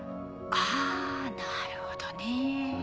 あなるほどね。